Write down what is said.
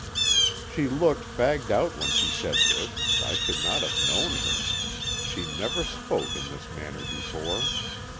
She looked fagged out when she said this, I should not have known her. She never spoke in this manner before.